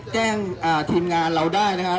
แจ้งทีมงานเราได้นะครับ